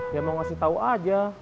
ya mau ngasih tau aja